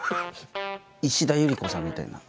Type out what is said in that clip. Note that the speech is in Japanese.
石田ゆり子さんみたいな。